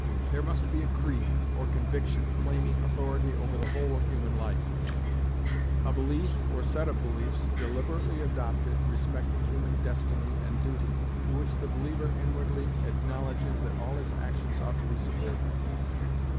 There must be a creed, or conviction, claiming authority over the whole of human life; a belief, or set of beliefs, deliberately adopted, respecting human destiny and duty, to which the believer inwardly acknowledges that all his actions ought to be subordinate.